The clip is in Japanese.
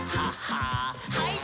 はい。